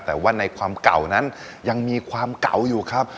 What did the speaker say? แต่ว่าในความเก่านั้นยังมีความเก่าอยู่ครับ